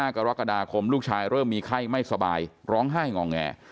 กรกฎาคมลูกชายเริ่มมีไข้ไม่สบายร้องไห้งอแง